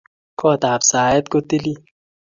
Kot ab saet ko tilil